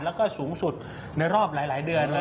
แล้วก็สูงสุดในรอบหลายเดือนเลย